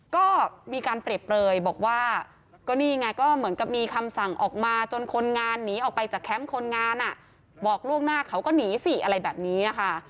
ก็มีการเปรียบเปลยบอกว่าก็นี่ไงก็เหมือนกับมีคำสั่งออกมาจนคนงานหนีออกไปจากแคมป์คนงานอ่ะบอกล่วงหน้าเขาก็หนีสิอะไรแบบนี้ค่ะ